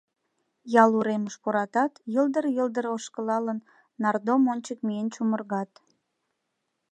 Ял уремыш пуратат, йылдыр-йылдыр ошкылалын, нардом ончык миен чумыргат.